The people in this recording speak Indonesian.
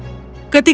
dan aku akan kembali